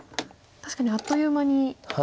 確かにあっという間に。